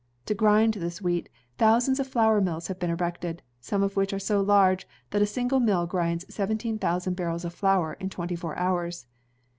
To grind this wheat, thousands of flour mills have been erected, some of which are so large that a single mill grinds seventeen thousand barrels of flour in twenty four hours.